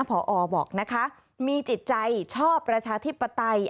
พอบอกนะคะมีจิตใจชอบประชาธิปไตย